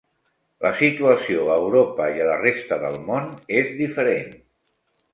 La situació a Europa i a la resta del món és diferent.